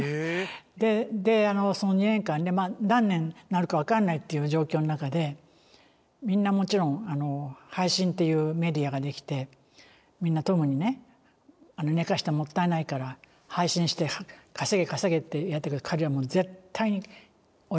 でその２年間で何年になるか分からないっていう状況の中でみんなもちろん配信っていうメディアができてみんなトムにね寝かしたらもったいないから配信して稼げ稼げってやったけど彼は絶対に折れなかったのね。